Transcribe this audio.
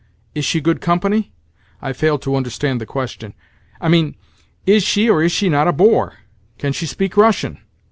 "Is she good company?" I failed to understand the question. "I mean, is she or is she not a bore? Can she speak Russian?